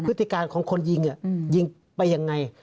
พฤติการของคนยิงยิงไปยังไง